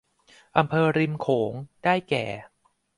อำเภอริมโขงได้แก่